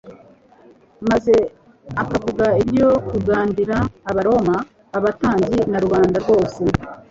maze akavuga ibyo kugandira Abaroma, abatambyi na rubanda rwose,